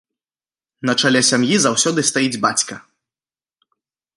На чале сям'і заўсёды стаіць бацька.